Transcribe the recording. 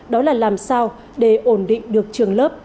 đó là làm sao để ổn định được trường lớp